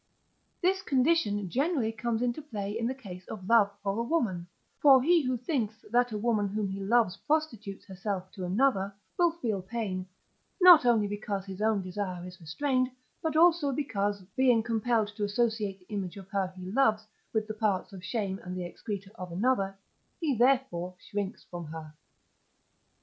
This condition generally comes into play in the case of love for a woman: for he who thinks, that a woman whom he loves prostitutes herself to another, will feel pain, not only because his own desire is restrained, but also because, being compelled to associate the image of her he loves with the parts of shame and the excreta of another, he therefore shrinks from her.